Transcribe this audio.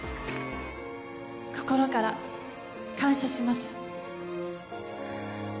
心から感謝します。